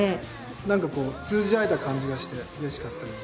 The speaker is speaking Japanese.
何かこう通じ合えた感じがしてうれしかったです。